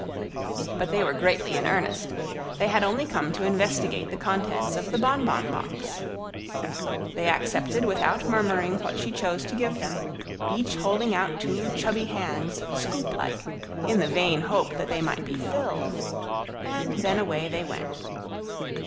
But they were greatly in earnest. They had only come to investigate the contents of the bonbon box. They accepted without murmuring what she chose to give them, each holding out two chubby hands scoop like, in the vain hope that they might be filled; and then away they went.